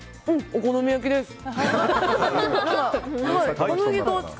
お好み焼きです。